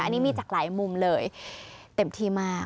อันนี้มีจากหลายมุมเลยเต็มที่มาก